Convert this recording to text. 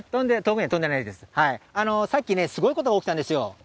さっきね、すごいことが起きたんですよ。